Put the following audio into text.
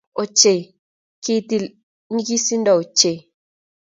Ochei, kitil nyigisindo ochei!